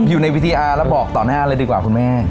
อยู่ในวิทยาแล้วบอกต่อหน้าเลยดีกว่าคุณแม่